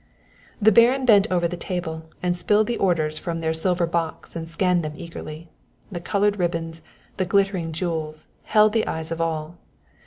The Baron bent over the table and spilled the orders from their silver box and scanned them eagerly. The colored ribbons, the glittering jewels, held the eyes of all.